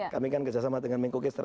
kami kan kerjasama dengan mengkukis